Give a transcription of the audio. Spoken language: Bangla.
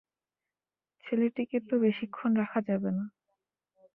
ছেলেটিকে তো বেশিক্ষণ রাখা যাবে না।